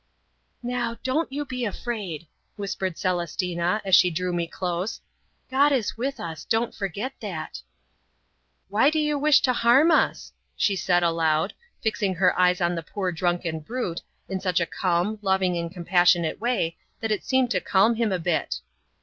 "Now, don't you be afraid," whispered Celestina, as she drew me close; "God is with us; don't forget that!" "Why do you wish to harm us?" she said aloud, fixing her eyes on the poor drunken brute, in such a calm, loving and compassionate way that it seemed to calm him a bit.